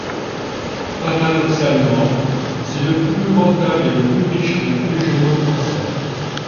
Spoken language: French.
Paradoxalement, c'est le plus rentable et le plus riche de tous les journaux français.